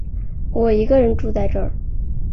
我一个人住在这